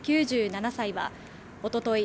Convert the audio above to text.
９７歳はおととい